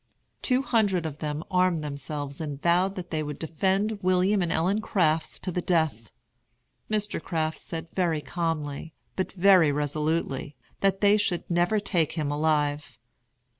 Two hundred of them armed themselves and vowed that they would defend William and Ellen Crafts to the death. Mr. Crafts said very calmly, but very resolutely, that they should never take him alive.